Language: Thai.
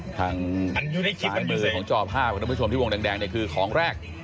ทางสายมือของจอบ๕คุณผู้ชมที่วงแดงคือของแรก